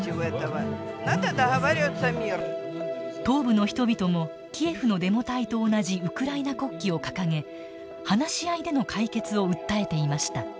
東部の人々もキエフのデモ隊と同じウクライナ国旗を掲げ話し合いでの解決を訴えていました。